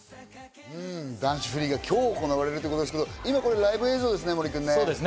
男子フリーが今日行われるということですけど、これ、ライブ映像ですね。